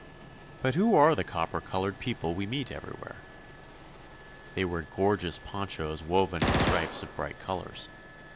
But who are the copper colored people we meet every where ? They wear gorgeous ponchos woven in stripes of bright colors.